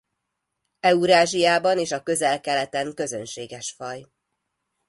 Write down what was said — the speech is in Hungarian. Eurázsiában és a Közel-Keleten közönséges faj.